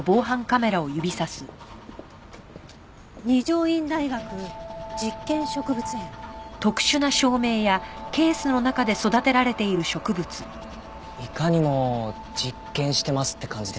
「二条院大学実験植物園」いかにも実験してますって感じですね。